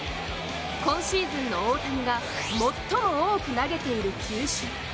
今シーズンの大谷が最も多く投げている球種。